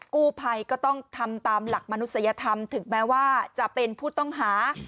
กู้ภัยก็ต้องทำตามหลักมนุษยธรรมถึงแม้ว่าจะเป็นผู้ต้องหา